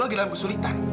kalau lo di dalam kesulitan